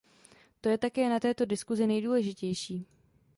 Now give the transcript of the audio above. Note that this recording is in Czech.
To je také na této diskusi nejdůležitější.